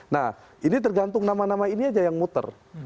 nah ini tergantung nama nama ini aja yang muter